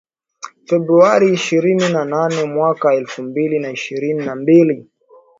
Februari ishirini na nane mwaka elfu mbili na ishirini na mbili